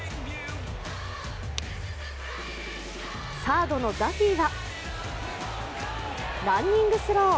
サードのダフィーはランニングスロー。